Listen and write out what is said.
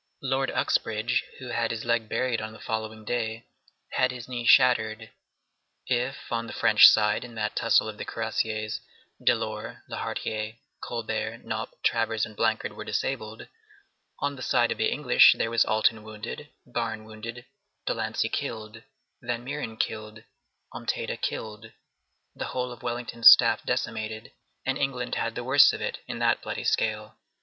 Lord Uxbridge, who had his leg buried on the following day, had his knee shattered. If, on the French side, in that tussle of the cuirassiers, Delort, l'Héritier, Colbert, Dnop, Travers, and Blancard were disabled, on the side of the English there was Alten wounded, Barne wounded, Delancey killed, Van Meeren killed, Ompteda killed, the whole of Wellington's staff decimated, and England had the worse of it in that bloody scale.